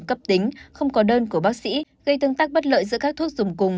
cấp tính không có đơn của bác sĩ gây tương tác bất lợi giữa các thuốc dùng cùng